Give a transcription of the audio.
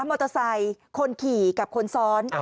มอเตอร์ไซค์คนขี่กับคนซ้อน